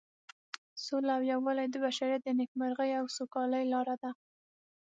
سوله او یووالی د بشریت د نیکمرغۍ او سوکالۍ لاره ده.